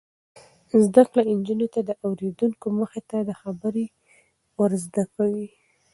زده کړه نجونو ته د اوریدونکو مخې ته خبرې ور زده کوي.